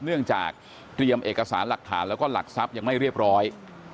เนื่องจากเตรียมเอกสารหลักฐานแล้วก็หลักทรัพย์ยังไม่เรียบร้อย